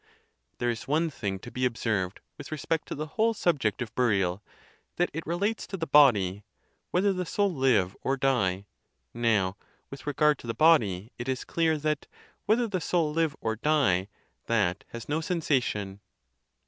There is one thing to be observed with respect to the whole subject of burial, that it relates to the body, whether the soul live or die. Now, with regard to the body, it is clear that, whether the soul live or die, that has no sensation.